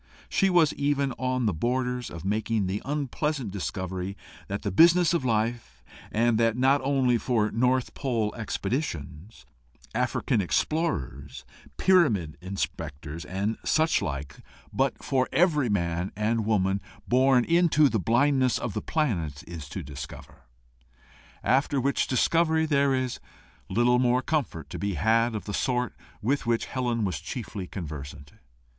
She was even on the borders of making the unpleasant discovery that the business of life and that not only for North Pole expeditions, African explorers, pyramid inspectors, and such like, but for every man and woman born into the blindness of the planet is to discover; after which discovery there is little more comfort to be had of the sort with which Helen was chiefly conversant.